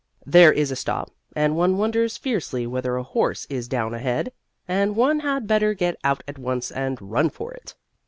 There is a stop, and one wonders fiercely whether a horse is down ahead, and one had better get out at once and run for it.